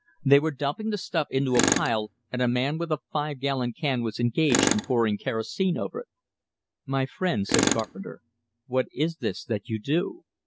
They were dumping the stuff into a pile, and a man with a five gallon can was engaged in pouring kerosene over it. "My friend," said Carpenter, "what is this that you do?"